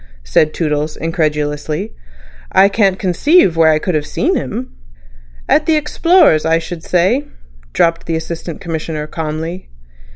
said Toodles incredulously. "I can't conceive where I could have seen him." "At the Explorers, I should say," dropped the Assistant Commissioner calmly.